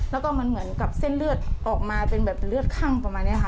แล้วก็มันเหมือนกับเส้นเลือดออกมาเป็นแบบเลือดคั่งประมาณนี้ค่ะ